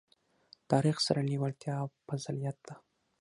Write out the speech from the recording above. تاریخ سره لېوالتیا فضیلت ده.